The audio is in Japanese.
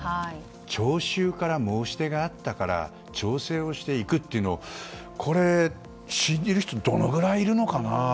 聴衆から申し出があったから調整していくというのをこれ、信じる人どのくらいいるのかな。